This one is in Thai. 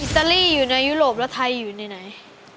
ตาลีอยู่ในยุโรปแล้วไทยอยู่ในไหน